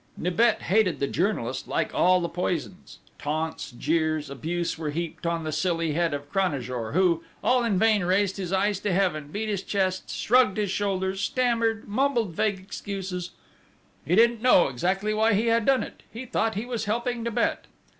Nibet hated the journalist like all the poisons. Taunts, jeers, abuse were heaped on the silly head of Cranajour, who, all in vain, raised his eyes to heaven, beat his chest, shrugged his shoulders, stammered, mumbled vague excuses: "He didn't know exactly why he had done it! He thought he was helping Nibet!"